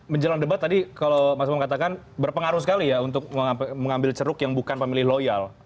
menjelang debat tadi kalau mas bung katakan berpengaruh sekali ya untuk mengambil ceruk yang bukan pemilih loyal